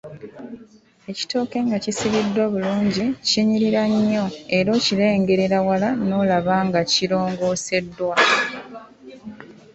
Ekitooke nga kisaliddwa bulungi, kinyirira nnyo era okirengerera wala n’olaba nga kirongooseddwa.